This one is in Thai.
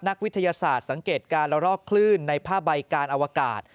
นักวิทยาศาสตร์สังเกตการละรอกคลื่นในผ้าใบการอวกาศ